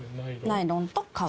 ナイロンと革。